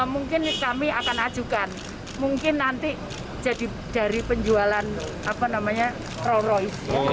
mungkin kami akan ajukan mungkin nanti jadi dari penjualan roll roy